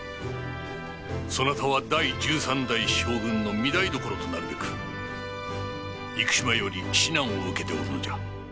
そなたは第１３代将軍の御台所となるべく幾島より指南を受けておるのじゃ。